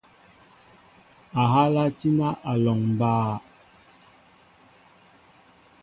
Ahala tína a lɔŋ baá.